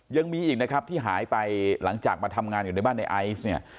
ยังมีอีกนะครับที่หายไปหลังจากมาทำงานอยู่ในบ้านในไอซ์เนี่ย